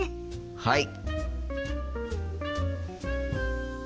はい！